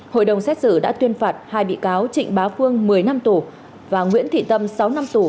hội đồng xét xử đã tuyên phạt hai bị cáo trịnh bá phương một mươi năm tù và nguyễn thị tâm sáu năm tù